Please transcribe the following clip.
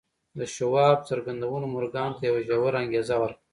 د شواب څرګندونو مورګان ته يوه ژوره انګېزه ورکړه.